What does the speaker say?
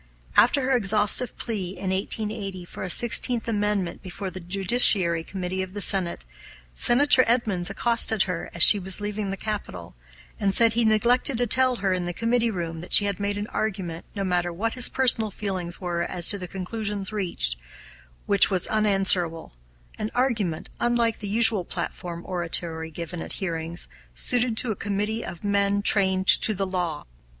After her exhaustive plea, in 1880, for a Sixteenth Amendment before the Judiciary Committee of the Senate, Senator Edmunds accosted her, as she was leaving the Capitol, and said he neglected to tell her, in the committee room, that she had made an argument, no matter what his personal feelings were as to the conclusions reached, which was unanswerable an argument, unlike the usual platform oratory given at hearings, suited to a committee of men trained to the law.